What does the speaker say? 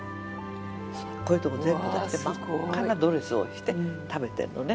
こういうとこ全部出して真っ赤なドレスを着て食べてるのね